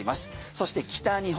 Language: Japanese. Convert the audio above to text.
そして北日本